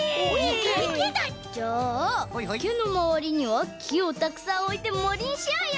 じゃあいけのまわりにはきをたくさんおいてもりにしようよ！